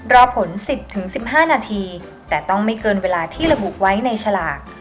รอผล๑๐๑๕นาทีแต่ต้องไม่เกินเวลาที่ระบุไว้ในฉลาก